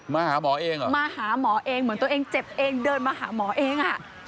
มาหาหมอเองเหรอเหมือนตัวเองเจ็บเองเดินมาหาหมอเอง